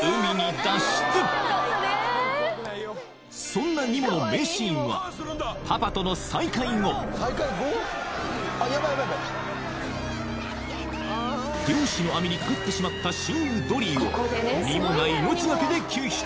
そんなニモの名シーンはパパとの再会後漁師の網にかかってしまった親友ドリーをニモが命がけで救出！